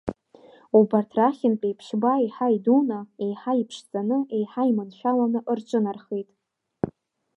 Убарҭ рахьынтәи ԥшьба еиҳа идуны, еиҳа иԥшӡаны, еиҳа иманшәаланы рҿынархеит.